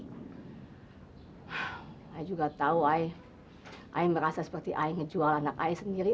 aku juga tahu aku merasa seperti aku ngejual anak aku sendiri